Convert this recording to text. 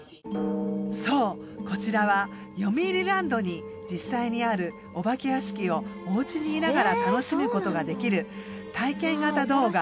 そうこちらはよみうりランドに実際にあるお化け屋敷をおうちにいながら楽しむことができる体験型動画。